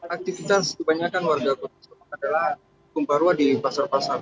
aktivitas kebanyakan warga muslim adalah kumparwa di pasar pasar